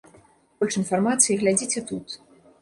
Больш інфармацыі глядзіце тут.